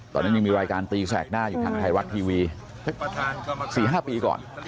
ตอนนั้นยังมีรายการตีแสกหน้าอยู่ทางไทยรัฐทีวี๔๕ปีก่อน